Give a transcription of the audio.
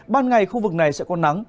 ban ngày khu vực này sẽ có nắng